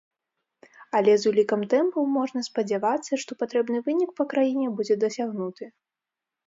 Але з улікам тэмпаў можна спадзявацца, што патрэбны вынік па краіне будзе дасягнуты.